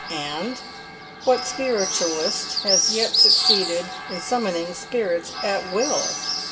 And what spiritualist has yet succeeded in summoning spirits at will?